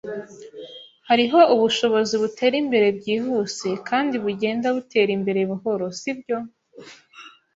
Hariho ubushobozi butera imbere byihuse kandi bugenda butera imbere buhoro, sibyo?